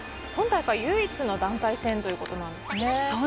今大会唯一の団体戦ということですね。